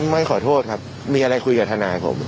ไม่ขอโทษครับมีอะไรคุยกับทนายผม